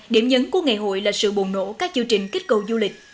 điểm nhấn của ngày hội là sự bồn nổ các chư trình kích cầu du lịch